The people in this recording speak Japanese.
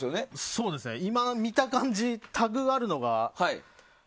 そうですね、今見た感じタグがあるのが。